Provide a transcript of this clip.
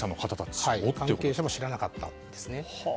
関係者も知らなかったんですね。